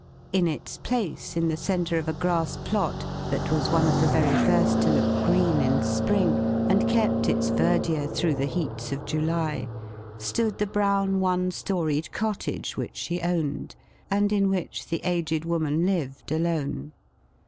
In its place, in the centre of a grass plot that was one of the very first to look green in spring, and kept its verdure through the heats of July, stood the brown, one storied cottage which she owned, and in which the aged woman lived, alone.